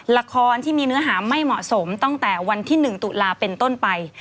ละครที่มีเนื้อหาไม่เหมาะสมตั้งแต่วันที่๑ตุลาเป็นต้นไป